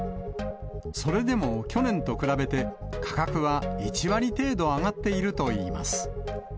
それでも、去年と比べて価格は１割程度上がっているといいます。